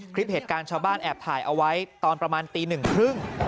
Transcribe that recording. คลิปเหตุการณ์ชาวบ้านแอบถ่ายเอาไว้ตอนประมาณตีหนึ่งครึ่ง